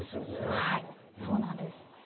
はいそうなんです。